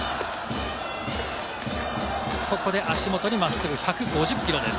ここで足元に真っすぐ、１５０キロです。